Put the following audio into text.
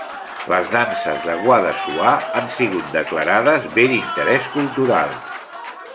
Les danses de Guadassuar han sigut declarades Bé d'interès cultural.